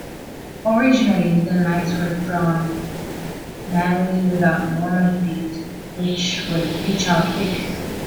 Originally the lines were drawn manually with normal paint which would bleach out quickly.